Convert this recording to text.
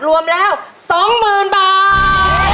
รวมแล้ว๒๐๐๐บาท